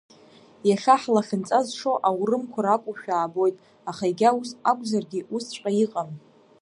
Иахьа ҳлахьынҵа зшо аурымқәа ракәушәа аабоит, аха егьа ус акәзаргьы усҵәҟьа иҟам.